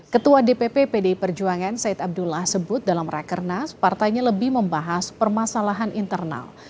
ketua dpp pdi perjuangan said abdullah sebut dalam rakernas partainya lebih membahas permasalahan internal